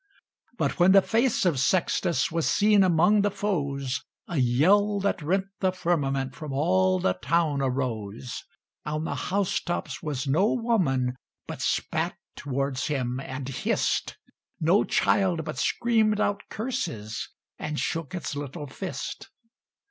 But when the face of Sextus Was seen among the foes, A yell that rent the firmament From all the town arose. On the house tops was no woman But spat towards him, and hissed; No child but screamed out curses, And shook its little fist.